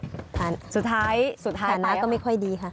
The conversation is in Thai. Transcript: สุดท้ายสุดท้ายไปหรือเปล่าสถานะก็ไม่ค่อยดีค่ะ